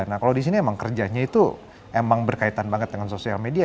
nah kalau di sini emang kerjanya itu emang berkaitan banget dengan sosial media